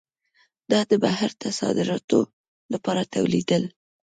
دا د بهر ته صادراتو لپاره تولیدېدل.